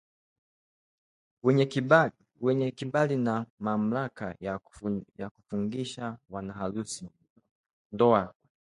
wenye kibali na mamlaka ya kufungisha wanaharusi ndoa